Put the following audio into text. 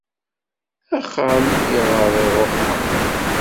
Axxam iɣer ṛuḥeɣ.